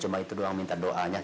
cuma itu doang minta doanya